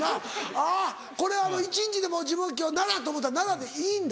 あぁこれは一日でも自分は今日奈良と思ったら奈良でいいんだ。